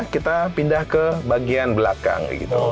kita pindah ke bagian belakang